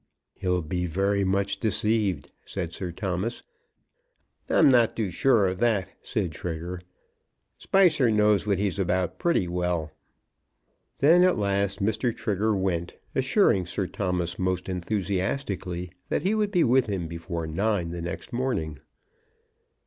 "He'll be very much deceived," said Sir Thomas. "I'm not so sure of that," said Trigger; "Spicer knows what he's about pretty well." Then, at last, Mr. Trigger went, assuring Sir Thomas most enthusiastically that he would be with him before nine the next morning.